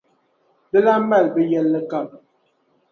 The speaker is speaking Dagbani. di lan mali bɛ yɛlli kam.